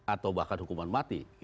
atau bahkan hukuman mati